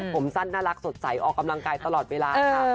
ผมสั้นน่ารักสดใสออกกำลังกายตลอดเวลาค่ะ